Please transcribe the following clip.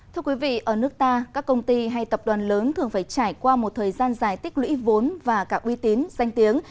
thưa quý vị ở nước ta các công ty hay tập đoàn lớn thường phải trải qua một thời gian dài tích lũy vốn và cả uy tín danh tiếng